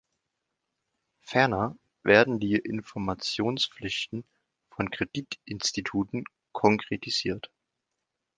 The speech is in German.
Ferner werden die Informationspflichten von Kreditinstituten konkretisiert.